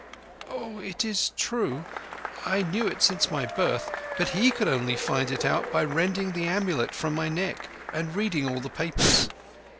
"Oh, it is true. I knew it since my birth, but he could only find it out by rending the amulet from my neck and reading all the papers.